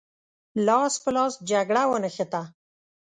لاس په لاس جګړه ونښته.